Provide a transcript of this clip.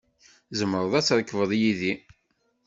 Tzemreḍ ad trekbeḍ yid-i.